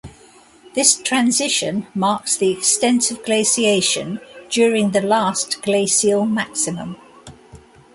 This transition marks the extent of glaciation during the last glacial maximum.